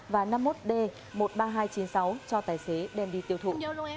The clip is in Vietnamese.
và năm mươi một d một mươi ba nghìn hai trăm chín mươi sáu cho tài xế đem đi tiêu thụ